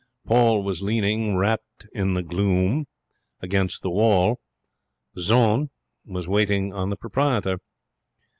Paul was leaning, wrapped in the gloom, against the wall. Jeanne was waiting on the proprietor.